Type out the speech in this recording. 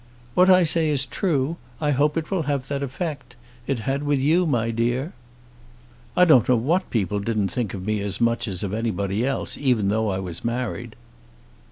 "What I say is true. I hope it will have that effect. It had with you, my dear." "I don't know that people didn't think of me as much as of anybody else, even though I was married."